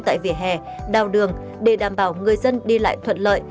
tại vỉa hè đào đường để đảm bảo người dân đi lại thuận lợi